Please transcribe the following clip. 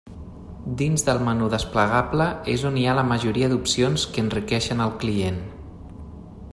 Dins del menú desplegable és on hi ha la majoria d'opcions que enriqueixen el client.